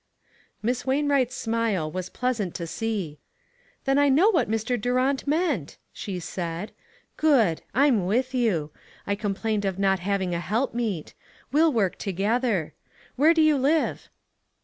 Miss Wainwright's smile was pleasant to see. "Then I know what Mr. Durant meant," she said. " Good ! I'm with you. I com plained of not having a helpmeet. We'll work together. Where do you live?"